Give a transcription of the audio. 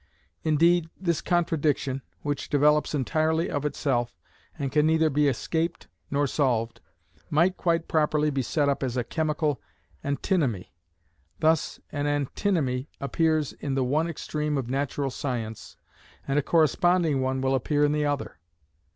Indeed this contradiction, which develops entirely of itself and can neither be escaped nor solved, might quite properly be set up as a chemical antinomy. Thus an antinomy appears in the one extreme of natural science, and a corresponding one will appear in the other.